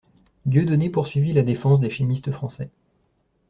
Dieudonné poursuivit la défense des chimistes français.